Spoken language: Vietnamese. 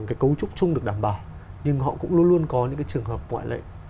cái cấu trúc chung được đảm bảo nhưng họ cũng luôn luôn có những cái trường hợp ngoại lệ